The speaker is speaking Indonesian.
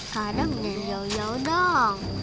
kadang nyanyi jauh jauh dong